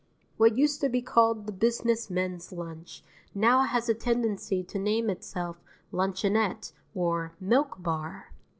What used to be called the "Business Men's Lunch" now has a tendency to name itself "Luncheonette" or "Milk Bar."